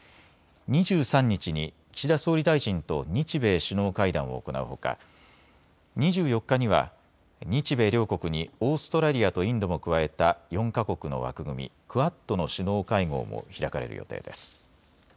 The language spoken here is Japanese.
２３日に岸田総理大臣と日米首脳会談を行うほか２４日には日米両国にオーストラリアとインドも加えた４か国の枠組み、クアッドの首脳会合も開かれる予定です。